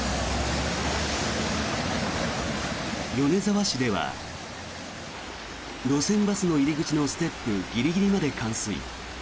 米沢市では路線バスの入り口のステップギリギリまで冠水。